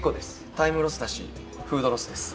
タイムロスだし、フードロスです。